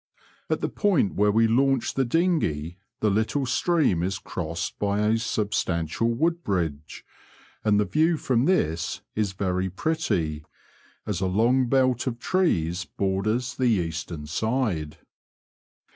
At the point where we launched the dinghey the little stream is crossed by a substantial wood bridge, and the view from this is very pretty, as a long belt of trees borders the eastern side.